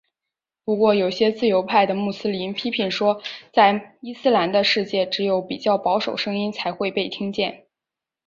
不过有些自由派的穆斯林批评说在伊斯兰世界只有比较保守声音才会被听见。